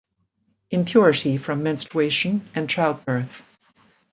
Impurity from menstruation and childbirth.